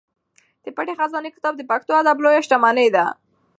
د پټې خزانې کتاب د پښتو ادب لویه شتمني ده.